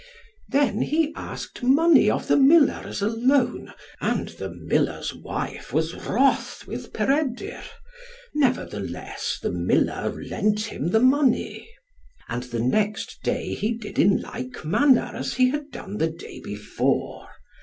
Then he asked money of the miller as a loan, and the miller's wife was wroth with Peredur; nevertheless, the miller lent him the money. And the next day he did in like manner as he had done the day before.